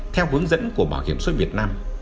theo hướng dẫn của bảo hiểm xuất việt nam